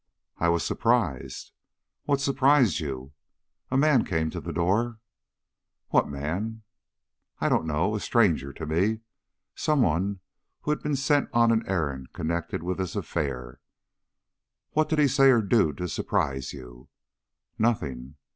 "I was surprised." "What surprised you?" "A man came to the door." "What man." "I don't know. A stranger to me. Some one who had been sent on an errand connected with this affair." "What did he say or do to surprise you?" "Nothing.